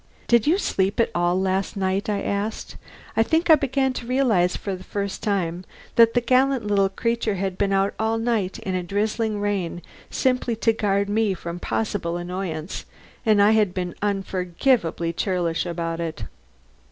"Did you sleep at all last night?" I asked. I think I began to realize for the first time that the gallant little creature had been out all night in a drizzling rain, simply to guard me from possible annoyance; and I had been unforgivably churlish about it.